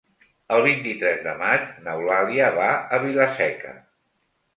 El vint-i-tres de maig n'Eulàlia va a Vila-seca.